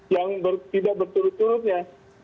yang tidak berturut turutnya